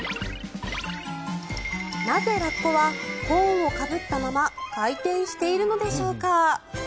なぜラッコはコーンをかぶったまま回転しているのでしょうか。